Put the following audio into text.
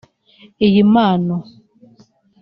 Iyi mpano